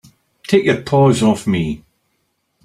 Take your paws off me!